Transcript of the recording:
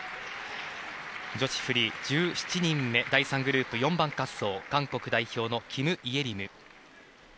女子フリー１７人目第３グループ、４番滑走韓国代表のキム・イェリム。